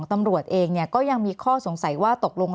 แอนตาซินเยลโรคกระเพาะอาหารท้องอืดจุกเสียดแสบร้อน